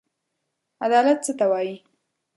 عدالت څه ته وايي؟